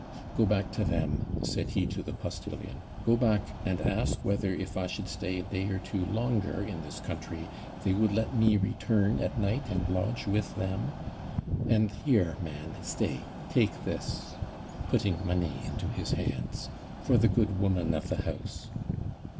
'Go back to them,' said he to the postillion; 'go back and ask whether, if I should stay a day or two longer in this country, they would let me return at night and lodge with them. And here, man, stay, take this,' putting money into his hands, 'for the good woman of the house.'